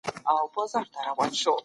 احتکار د غریبو خلکو ژوند سخت کړی دی.